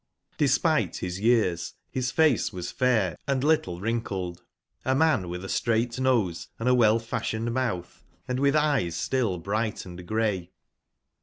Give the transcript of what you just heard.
Despite bis years bis face was fair & little wrinkled; a man witb a straight noseandawell/fasbionedmoutb, andwitb eyes still bright and grey.